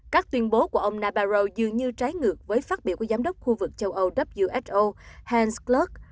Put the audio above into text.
các tuyên bố của ông nabarro dường như trái ngược với phát biểu của giám đốc khu vực châu âu who hans kluck